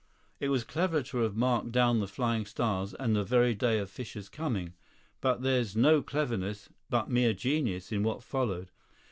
It was cleverer to have marked down the Flying Stars and the very day of Fischer's coming. But there's no cleverness, but mere genius, in what followed.